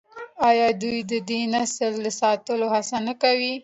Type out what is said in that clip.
آیا دوی د دې نسل د ساتلو هڅه نه کوي؟